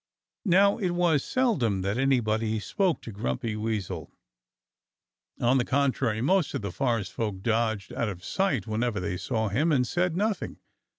Now it was seldom that anybody spoke to Grumpy Weasel. On the contrary, most of the forest folk dodged out of sight whenever they saw him, and said nothing.